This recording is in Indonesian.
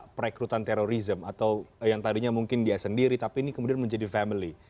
perekrutan terorisme atau yang tadinya mungkin dia sendiri tapi ini kemudian menjadi family